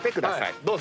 どうぞ。